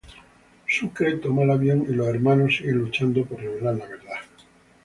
Sucre toma el avión y los hermanos siguen luchando por revelar la verdad.